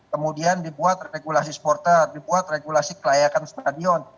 kemudian dibuat regulasi supporter dibuat regulasi kelayakan stadion